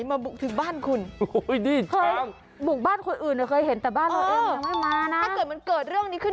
ระวังเสื้อเจ้าเพื่อนนั้น